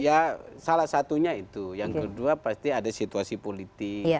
ya salah satunya itu yang kedua pasti ada situasi politik